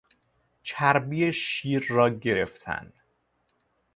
چربی شیر را گرفتن